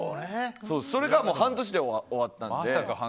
それが半年で終わったので。